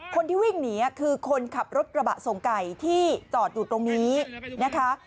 คนที่วิ่งหนีคือคนขับรถกระบะส่งไก่ที่จอดอยู่ตรงนี้นะคะ